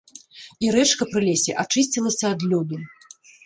І рэчка пры лесе ачысцілася ад лёду.